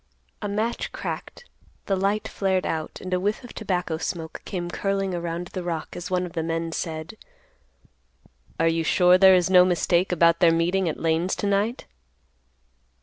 A match cracked. The light flared out, and a whiff of tobacco smoke came curling around the rock, as one of the men said: "Are you sure there is no mistake about their meeting at Lane's to night?"